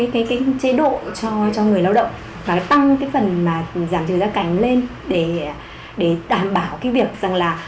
cái chế độ cho người lao động và tăng cái phần mà giảm trừ gia cảnh lên để đảm bảo cái việc rằng là